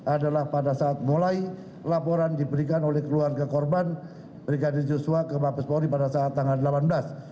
adalah pada saat mulai laporan diberikan oleh keluarga korban brigadir joshua ke mabes polri pada saat tanggal delapan belas